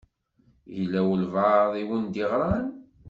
Yella walebɛaḍ i wen-d-iɣṛan?